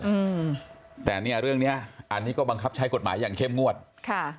อืมแต่เนี้ยเรื่องเนี้ยอันนี้ก็บังคับใช้กฎหมายอย่างเข้มงวดค่ะ